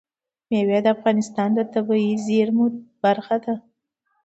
مېوې د افغانستان د طبیعي زیرمو برخه ده.